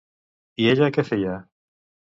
I ella què feia?